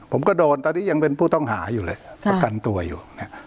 ผมก็โดนตอนนี้ยังเป็นผู้ต้องหาอยู่เลยประกันตัวอยู่